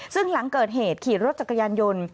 ซึ่งหลังเกิดเหตุขี่รถจักรยานยนต์